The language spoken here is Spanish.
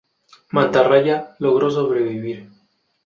Mantarraya logró sobrevivir.